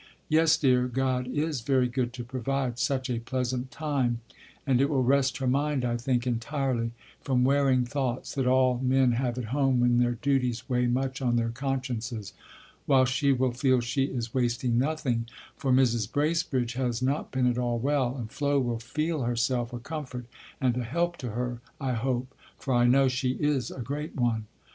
Yes, dear, God is very good to provide such a pleasant time, and it will rest her mind, I think, entirely from wearing thoughts that all men have at home when their duties weigh much on their consciences, while she will feel she is wasting nothing; for Mrs. Bracebridge has not been at all well and Flo will feel herself a comfort and a help to her, I hope, for I know she is a great one....